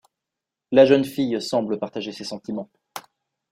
La jeune fille semble partager ses sentiments.